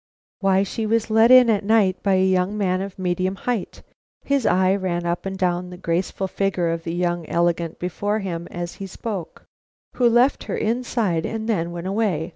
Why, she was let in at night by a young man of medium height" his eye ran up and down the graceful figure of the young élégant before him as he spoke "who left her inside and then went away.